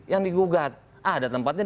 yang digugat ada tempatnya